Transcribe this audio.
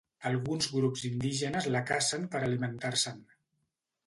Alguns grups indígenes la cacen per alimentar-se'n.